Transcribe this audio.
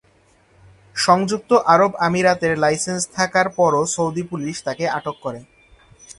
সংযুক্ত আরব আমিরাতের লাইসেন্স থাকার পরও সৌদি পুলিশ তাকে আটক করে।